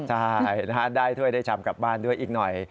ใช่นะฮะได้ถ้วยได้ชำกลับบ้านด้วยอีกหน่อย